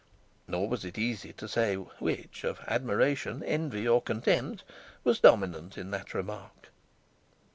Nor was it easy to say which, of admiration, envy, or contempt, was dominant in that remark.